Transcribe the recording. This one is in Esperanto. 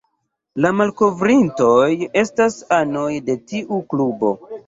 La malkovrintoj estas anoj de tiu klubo.